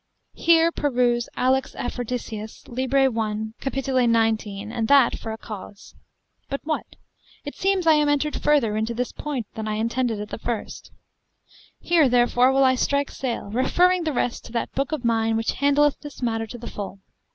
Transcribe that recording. Here peruse Alex. Aphrodiseus, lib. 1, Probl., cap. 19, and that for a cause. But what? It seems I am entered further into this point than I intended at the first. Here, therefore, will I strike sail, referring the rest to that book of mine which handleth this matter to the full.